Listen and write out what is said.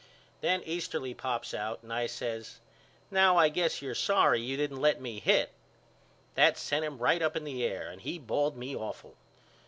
Then Easterly pops out and I says Now I guess you're sorry you didn't let me hit. That sent him right up in the air and he bawled me awful.